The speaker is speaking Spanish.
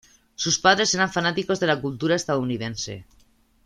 Sus padres eran fanáticos de la cultura estadounidense.